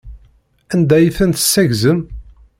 Anda ay ten-tessaggzem?